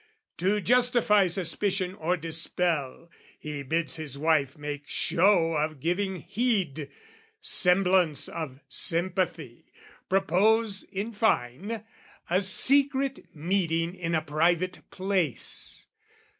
To justify suspicion or dispel, He bids his wife make show of giving heed, Semblance of sympathy propose, in fine, A secret meeting in a private place.